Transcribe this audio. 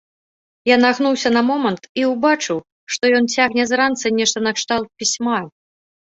Я нагнуўся на момант і ўбачыў, што ён цягне з ранца нешта накшталт пісьма.